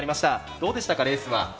どうでしたかレースは。